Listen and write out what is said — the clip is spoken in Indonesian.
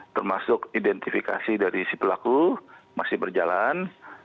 termasuk identifikasi dari si pelaku masih berjalan